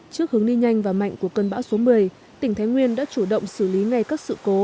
trước hướng đi nhanh và mạnh của cơn bão số một mươi tỉnh thái nguyên đã chủ động xử lý ngay các sự cố